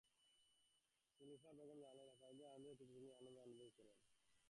নিলুফার বেগম জানালেন, জাপানিদের আনন্দিত হতে দেখে তিনি নিজেও আনন্দ অনুভব করছেন।